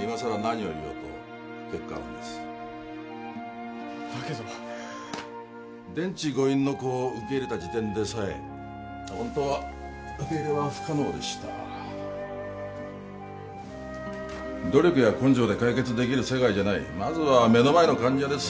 今さら何を言おうと結果論ですだけど電池誤飲の子を受け入れた時点でさえほんとは受け入れは不可能でした努力や根性で解決できる世界じゃないまずは目の前の患者です